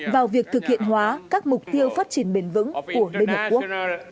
vào việc thực hiện hóa các mục tiêu phát triển bền vững của liên hợp quốc